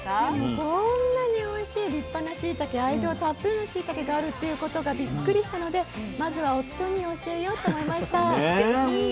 こんなにおいしい立派なしいたけ愛情たっぷりのしいたけがあるっていうことがびっくりしたのでまずは夫に教えようと思いました。